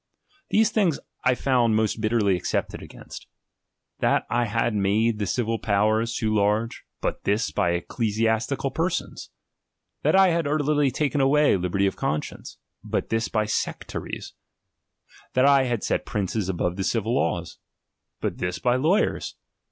These things I found most bitterly excepted ^L ^ainst. That I had made the civil powers too l ^^*.rge; but this by ecclesiastical persons. That [ lrz» sd utterly taken away liberty of conscience ; but tTSriis by sectaries. That I had set princes above tTz^e civil laws ; but this by lawyers.